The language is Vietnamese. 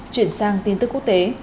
chuyển sang tin tức quốc tế